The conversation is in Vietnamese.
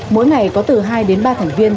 mỗi ngày có từ hai đến ba thành viên